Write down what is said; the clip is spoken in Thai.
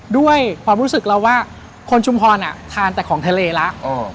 ด้วยความรู้สึกเราว่าคนชุมพรทานแต่ของทะเลแล้ว